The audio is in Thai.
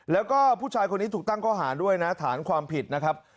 แล้วก็ผู้ชายคนนี้ถูกตั้งข้อหาด้วยนะฐานความผิดนะครับ